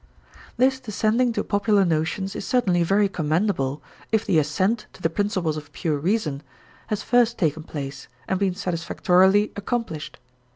This descending to popular notions is certainly very commendable, if the ascent to the principles of pure reason has first taken place and been satisfactorily accomplished.